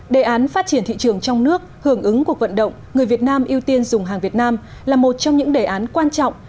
đề án phát triển thị trường trong nước hưởng ứng cuộc vận động người việt nam ưu tiên dùng hàng việt nam là một trong những đề án quan trọng